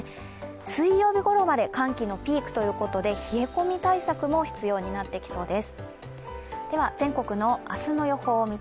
水曜日ごろまで寒気のピークということで冷え込み対策が必要です。